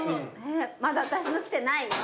まだ私の来てないよ。